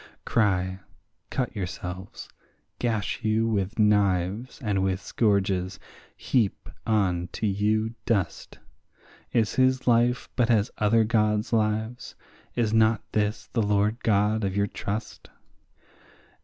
Cry, cut yourselves, gash you with knives and with scourges, heap on to you dust; Is his life but as other gods' lives? is not this the Lord God of your trust?